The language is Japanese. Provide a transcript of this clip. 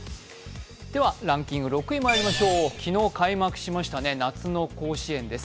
ではランキング６位にまいりましょう、昨日開幕しましたね、夏の甲子園です。